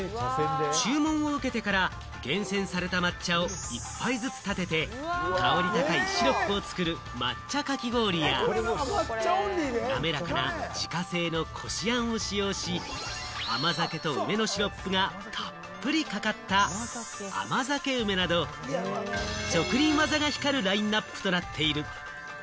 注文を受けてから厳選された抹茶を一杯ずつ立てて、香り高いシロップを作る抹茶かき氷や、滑らかな自家製のこし餡を使用し、甘酒と梅のシロップがたっぷりかかった甘酒うめなど職人技が光るラインナップとなっている。